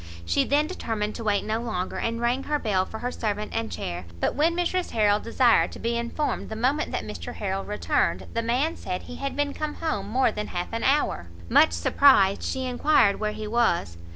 She then determined to wait no longer, and rang her bell for her servant and chair; but when Mrs Harrel desired to be informed the moment that Mr Harrel returned, the man said he had been come home more than half an hour. Much surprised, she enquired where he was.